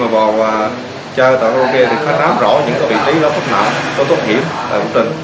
khi mà vào và chơi tại karaoke thì khắp rõ những vị trí đó khắp nào có tốt hiểm